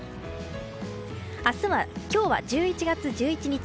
今日は１１月１１日。